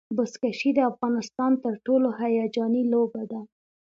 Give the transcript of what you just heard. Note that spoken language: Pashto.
بزکشي د افغانستان تر ټولو هیجاني لوبه ده.